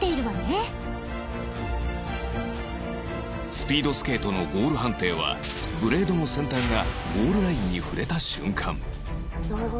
スピードスケートのゴール判定はブレードの先端がゴールラインに触れた瞬間